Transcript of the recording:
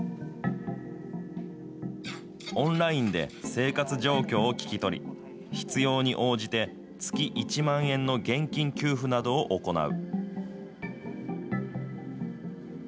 オンラインで生活状況を聞き取り、必要に応じて、月１万円の現金給付などを行う。